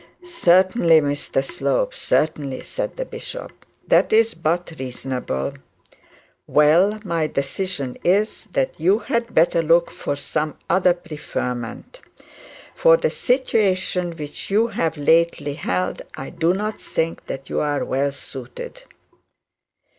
'Certainly, Mr Slope, certainly,' said the bishop; 'that is but reasonable. Well, my decision is that you had better look for some other preferment. For the situation which you have lately held I do not think you are well suited.'